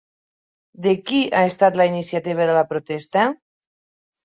De qui ha estat la iniciativa de la protesta?